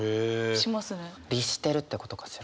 律してるってことかしら？